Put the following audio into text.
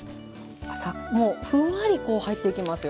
もうふんわりこう入っていきますよ